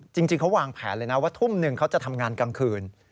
จริงเขาวางแผนเลยนะว่าทุ่มหนึ่งเขาจะทำงานกลางคืน